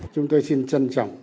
chúng tôi xin trân trọng